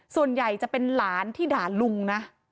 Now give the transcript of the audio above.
ส่วนใหญ่จะเป็นหลานที่ด่าลุงนะ